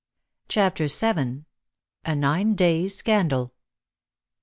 CHAPTER VII. A NINE DAYS' SCANDAL.